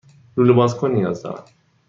لوله بازکن نیاز دارم.